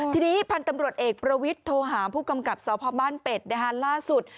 ทีนี้พันธุ์ตำรวจเอกประวิทย์โทหามผู้กำกับสพบ้านเป็ดล่าสุด